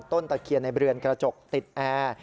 ตะเคียนในเรือนกระจกติดแอร์